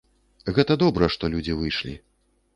Гэта добра, што людзі выйшлі.